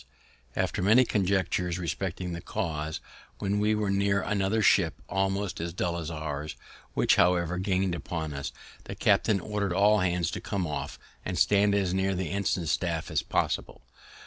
After many conjectures respecting the cause, when we were near another ship almost as dull as ours, which, however, gain'd upon us, the captain ordered all hands to come aft, and stand as near the ensign staff as possible.